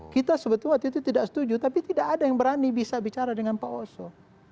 kita sebetulnya waktu itu tidak setuju tapi tidak ada yang berani bisa bicara dengan pak oso